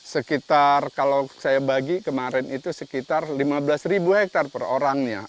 sekitar kalau saya bagi kemarin itu sekitar lima belas ribu hektare per orangnya